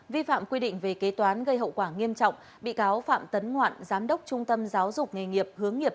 vi phạm quy định về kế toán gây hậu quả nghiêm trọng bị cáo phạm tấn ngoạn giám đốc trung tâm giáo dục nghề nghiệp hướng nghiệp